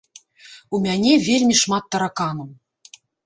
У мяне вельмі шмат тараканаў.